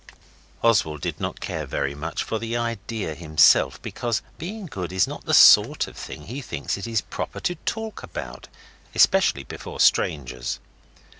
Oswald did not care very much for the idea himself, because being good is not the sort of thing he thinks it is proper to talk about, especially before strangers.